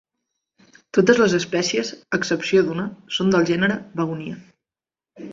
Totes les espècies, a excepció d'una, són del gènere "Begonia".